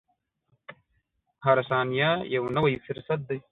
• هره ثانیه یو نوی فرصت دی.